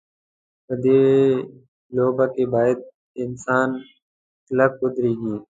په دې لوبه کې باید انسان کلک ودرېږي.